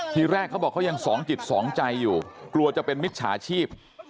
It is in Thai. ทีแรกเขาบอกเขายังสองจิตสองใจอยู่กลัวจะเป็นมิจฉาชีพ